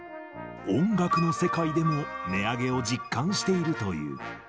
音楽の世界でも値上げを実感しているという。